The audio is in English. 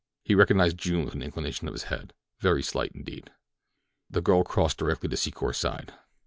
He recognized June with an inclination of his head—very slight indeed. The girl crossed directly to Secor's side.